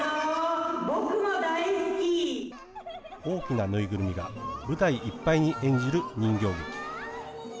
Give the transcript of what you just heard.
大きな縫いぐるみが舞台いっぱいに演じる人形劇。